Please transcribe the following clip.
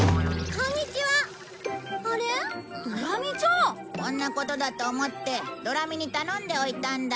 こんなことだと思ってドラミに頼んでおいたんだ。